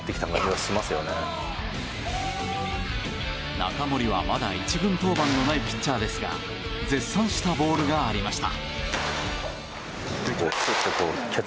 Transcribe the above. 中森は、まだ１軍登板のないピッチャーですが絶賛したボールがありました。